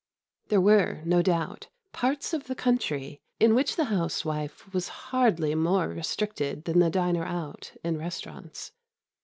There were, no doubt, parts of the country in which the housewife was hardly more restricted than the diner out in restaurants.